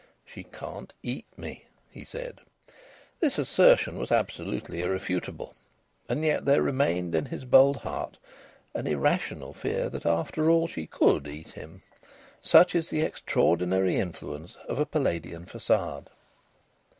"She can't eat me," he said. This assertion was absolutely irrefutable, and yet there remained in his bold heart an irrational fear that after all she could eat him. Such is the extraordinary influence of a Palladian façade!